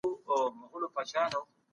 د کوچنیو تصدیو ملاتړ ضروري دی.